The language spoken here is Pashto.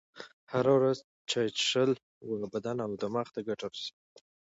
هره ورځ چایی چیښل و بدن او دماغ ته ګټه رسوي.